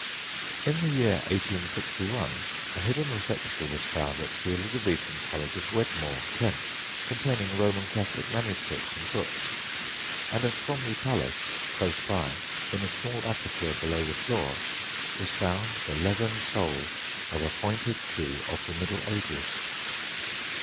In the year 1861 a hidden receptacle was found at the Elizabethan college of Wedmore, Kent, containing Roman Catholic MSS. and books; and at Bromley Palace, close by, in a small aperture below the floor, was found the leathern sole of a pointed shoe of the Middle Ages!